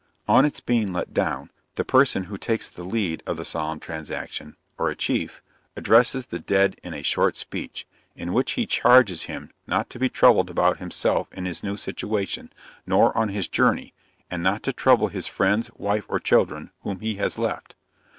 On its being let down, the person who takes the lead of the solemn transaction, or a Chief, addresses the dead in a short speech, in which he charges him not to be troubled about himself in his new situation, nor on his journey, and not to trouble his friends, wife or children, whom he has left.